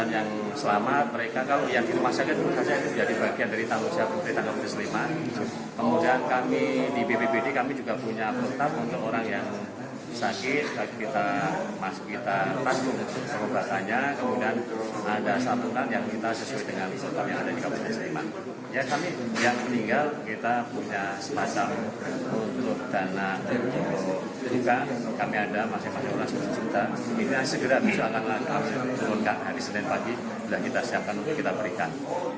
ini yang segera disuruhkan hari senin pagi sudah kita siapkan untuk kita berikan